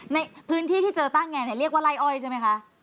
ในพื้นที่ที่เจอต้าแงเรียกว่าไล่อ้อยใช่ไหมคะ